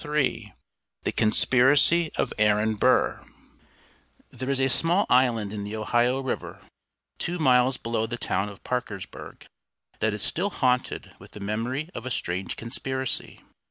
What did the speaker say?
III THE CONSPIRACY OF AARON BURR There is a small island in the Ohio River, two miles below the town of Parkersburg, that is still haunted with the memory of a strange conspiracy.